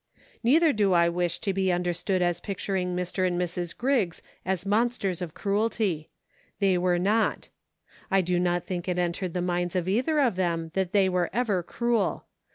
Neither do I wish to be understood as picturing Mr. and Mrs. Griggs as monsters of cruelty. IN SEARCH OF HOME. 3 1 They were not. I do not think it entered the minds of either of them that they were ever cruel.